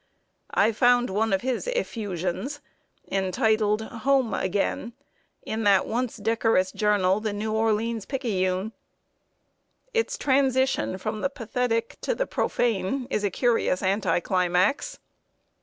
I found one of his effusions, entitled "Home Again," in that once decorous journal, The New Orleans Picayune. Its transition from the pathetic to the profane is a curious anticlimax.